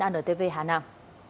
antv hà nam